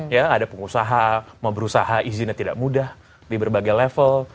ya ada pengusaha mau berusaha izinnya tidak mudah di berbagai level